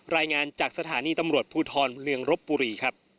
รายงานจากสถานีตำรวจภูทรเมืองรบบุรีครับ